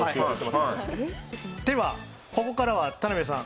ここからは田辺さん